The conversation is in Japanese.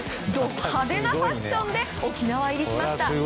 ド派手なファッションで沖縄入りしました。